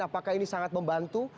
apakah ini sangat membantu